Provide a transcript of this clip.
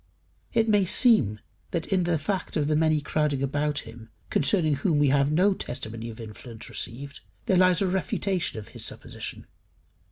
It may seem that in the fact of the many crowding about him, concerning whom we have no testimony of influence received, there lies a refutation of his supposition.